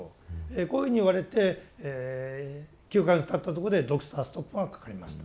こういうふうに言われて９か月たったとこでドクターストップがかかりました。